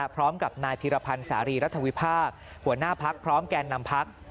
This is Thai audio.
พร้อมกับนายพิรพันธ์สารีรัฐวิพากษ์หัวหน้าพักพร้อมแก่นำพัก